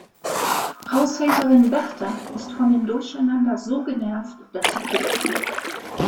Haushälterin Bertha ist von dem Durcheinander so genervt, dass sie kündigt.